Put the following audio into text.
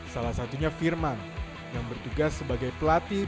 salah satunya firman yang bertugas sebagai pelatih